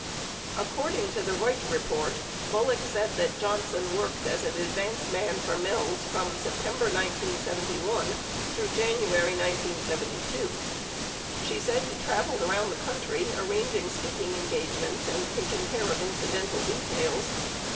According to the Wright Report, Bullock said that Johnson worked as an advance man for Mills from September 1971 through January 1972. She said he traveled around the country arranging speaking en gagements and taking care of incidental details.